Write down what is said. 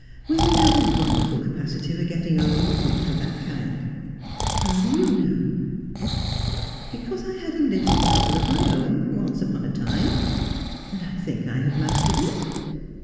Women have a wonderful capacity for getting over a grief of that kind.' ' How do you know 1 '' Because I had a little trouble of my own, once upon a time, and I think I have mastered it.'